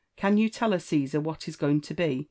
Can you tell her, Caesar, what is going to be?